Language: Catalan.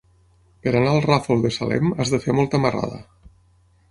Per anar al Ràfol de Salem has de fer molta marrada.